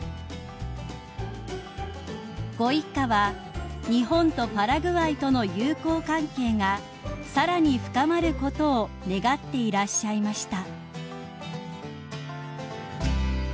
［ご一家は日本とパラグアイとの友好関係がさらに深まることを願っていらっしゃいました］